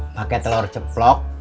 pakai telur ceplok